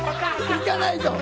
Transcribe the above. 行かないと。